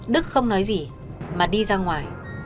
đức không nói gì mà đi ra ngoài